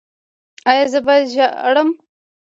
ایا زه باید ژاړم؟